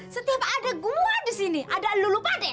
setiap ada gua di sini ada lu lupa deh